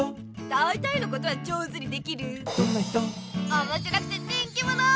おもしろくて人気もの！